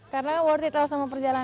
karena worth it all sama perjalanan